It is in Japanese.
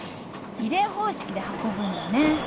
リレー方式で運ぶんだね。